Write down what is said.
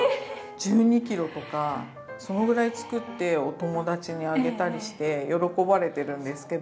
１２ｋｇとかそのぐらい作ってお友達にあげたりして喜ばれてるんですけど。